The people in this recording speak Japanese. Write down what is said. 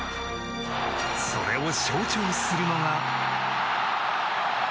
それを象徴するのが。